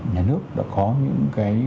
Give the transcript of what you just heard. nhà nước đã có những cái